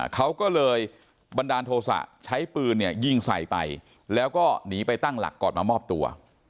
เขาก็เลยบันดาลโทษะใช้ปืนเนี่ยยิงใส่ไปแล้วก็หนีไปตั้งหลักก่อนมามอบตัว